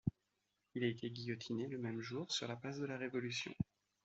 Il a été guillotiné le même jour sur la place de la Révolution.